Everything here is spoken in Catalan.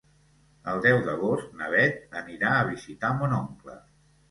El deu d'agost na Beth anirà a visitar mon oncle.